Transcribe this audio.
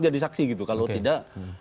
jadi saksi gitu kalau tidak